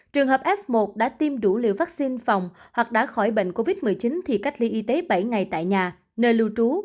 trường hợp f một đã tiêm đủ liều vaccine phòng hoặc đã khỏi bệnh covid một mươi chín thì cách ly y tế bảy ngày tại nhà nơi lưu trú